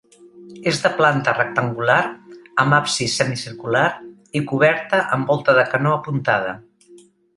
És de planta rectangular, amb absis semicircular i coberta amb volta de canó apuntada.